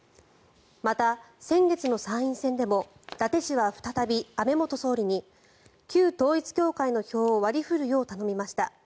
また、先月の参院選でも伊達氏は再び安倍元総理に旧統一教会の票を割り振るよう頼みました。